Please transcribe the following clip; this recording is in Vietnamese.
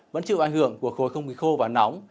vẫn chịu ảnh hưởng của khối không khí khô và nóng